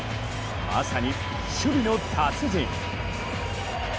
まさに守備の達人。